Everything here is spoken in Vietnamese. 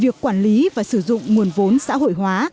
việc quản lý và sử dụng nguồn vốn xã hội hóa